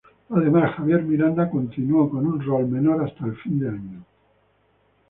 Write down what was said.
Además, Javier Miranda continuó con un rol menor hasta fin de año.